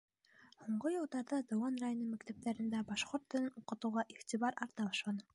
Һуңғы йылдарҙа Дыуан районы мәктәптәрендә башҡорт телен уҡытыуға иғтибар арта башланы.